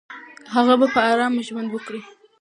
هغه به په آرامه ژوند وکړي.